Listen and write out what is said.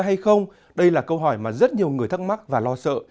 hay không đây là câu hỏi mà rất nhiều người thắc mắc và lo sợ